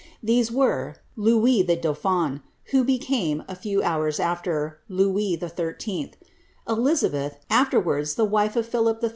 These were, Louis the Dauphin, who became, a few hours aAer, Louis XIII. ; Elizabeth (afterwards the wife of Philip III.